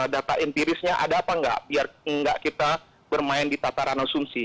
data empirisnya ada apa nggak biar enggak kita bermain di tataran asumsi